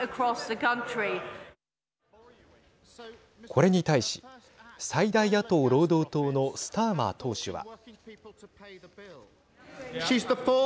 これに対し最大野党・労働党のスターマー党首は。